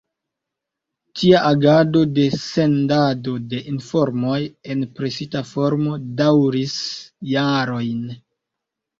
Tia agado de sendado de informoj en presita formo daŭris jarojn.